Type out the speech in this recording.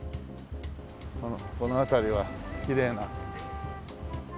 この辺りはきれいな。